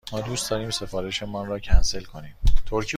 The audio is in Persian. ما دوست داریم سفارش مان را کنسل کنیم.